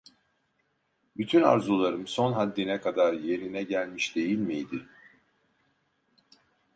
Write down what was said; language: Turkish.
Bütün arzularım son haddine kadar yerine gelmiş değil miydi?